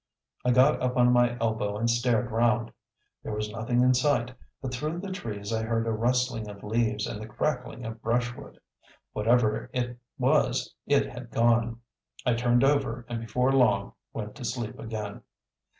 I got up on my elbow and stared round. There was nothing in sight, but through the trees I heard a rustling of leaves and the crackling of brushwood. Whatever it was it had gone. I turned over and before long went to sleep again.